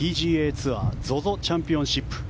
ツアーＺＯＺＯチャンピオンシップ。